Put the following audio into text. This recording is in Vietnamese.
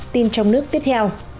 tin trong nước tiếp theo